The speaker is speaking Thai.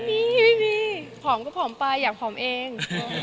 มีไม่มีผอมก็ผอมไปอยากผอมเอง